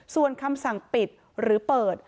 ส่วนคำสั่งปิดหรือเปิด